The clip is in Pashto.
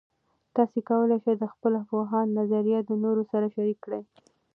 تاسې کولای سئ د خپل پوهاند نظریات د نورو سره شریک کړئ.